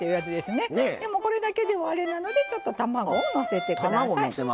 でもこれだけではあれなのでちょっと卵をのせて下さい。